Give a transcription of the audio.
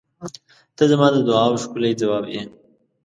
ته زما د دعاوو ښکلی ځواب یې.